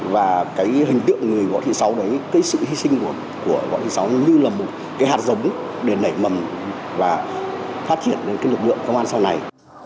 và cái hình tượng người võ thị sáu đấy cái sự hy sinh của võ thị sáu như là một cái hạt giống để nảy mầm và phát triển cái lực lượng công an sau này